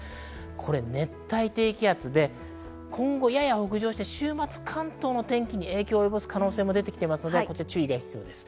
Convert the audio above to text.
これ、熱帯低気圧で今後、やや北上して週末、関東の天気に影響を及ぼす可能性も出てきていますので、注意が必要です。